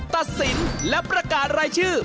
ตัดสินและประกาศรายชื่อ